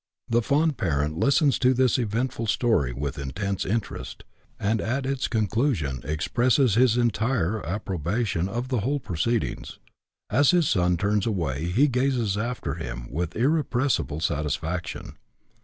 The fond parent listens to this eventful story with intense interest, and at its conclusion expresses his entire approbation of the whole proceedings. As his son turns away he gazes after him with irrepressible satisfaction.